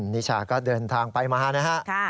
นิชาก็เดินทางไปมานะฮะ